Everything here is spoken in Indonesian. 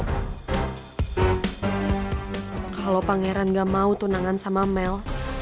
kalau pangeran gak mau tunangan sama mel